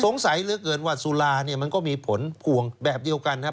สงสัยเหลือเกินว่าสุราเนี่ยมันก็มีผลพวงแบบเดียวกันฮะ